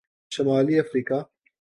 شمالی افریقہ